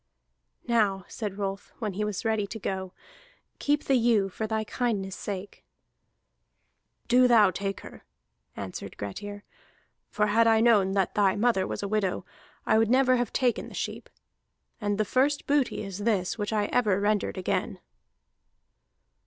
"Now," said Rolf, when he was ready to go, "keep the ewe for thy kindness's sake." "Do thou take her," answered Grettir. "For had I known that thy mother was a widow, I would never have taken the sheep. And the first booty is this, which ever I rendered again."